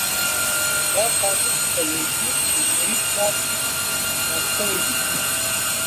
دا قاموس په لېږدیز لمریز کال کې چاپ شوی دی.